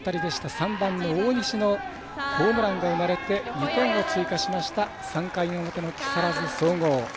３番の大西のホームランが生まれて２点を追加した３回の表の木更津総合。